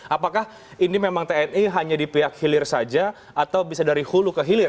apakah ini memang tni hanya di pihak hilir saja atau bisa dari hulu ke hilir